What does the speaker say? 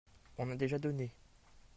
On a déjà donné